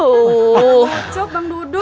lucu bang dudun